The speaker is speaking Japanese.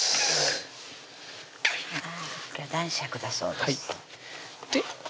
今日は男爵だそうです